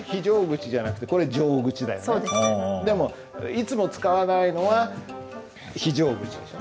でもいつも使わないのは非常口でしょ？